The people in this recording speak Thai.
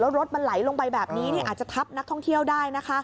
รถมันไหลลงไปแบบนี้อาจจะทับนักท่องเที่ยวได้นะคะ